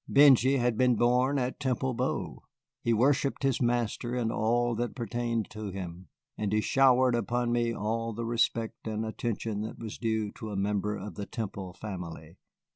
Benjy had been born at Temple Bow; he worshipped his master and all that pertained to him, and he showered upon me all the respect and attention that was due to a member of the Temple family.